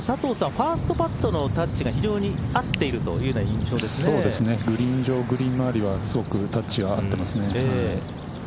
ファーストパットのタッチが非常に合っているというグリーン上、グリーン周りはすごくタッチはあってますね。